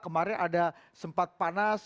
kemarin ada sempat panas